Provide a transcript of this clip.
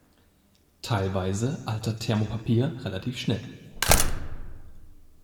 Teilweise altert Thermopapier relativ schnell.